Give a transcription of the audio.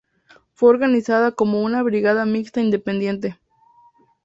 Fue reorganizada como una brigada mixta independiente.